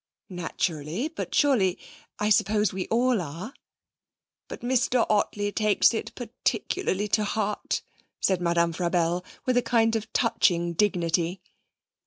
'Naturally. But surely I suppose we all are.' 'But Mr. Ottley takes it particularly to heart,' said Madame Frabelle, with a kind of touching dignity.